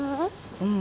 うん。